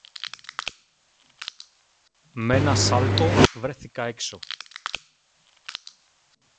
Μ' ένα σάλτο βρέθηκα έξω.